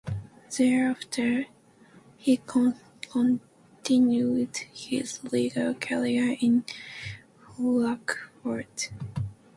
Thereafter, he continued his legal career in Frankfurt.